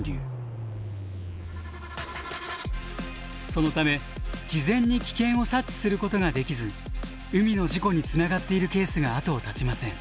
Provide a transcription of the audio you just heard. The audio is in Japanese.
そのため事前に危険を察知することができず海の事故につながっているケースが後を絶ちません。